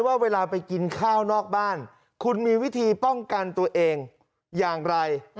ว่าเวลาไปกินข้าวนอกบ้านคุณมีวิธีป้องกันตัวเองอย่างไร